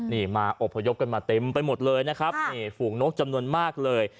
นี่มาอบพยพกันมาเต็มไปหมดเลยนะครับนี่ฝูงนกจำนวนมากเลย